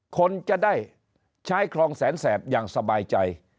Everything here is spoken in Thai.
คนจะได้ใช้คลองแสนแสบอย่างสบายใจ